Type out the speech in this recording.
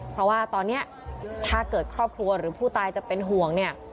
เพราะว่าตอนนี้ถ้าเกิดครอบครัวหรือผู้ตายจะเป็นห่วงเนี่ย